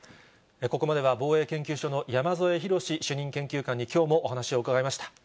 ここまでは防衛研究所の山添博史主任研究官にきょうもお話を伺いました。